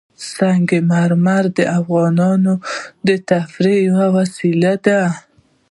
سنگ مرمر د افغانانو د تفریح یوه وسیله ده.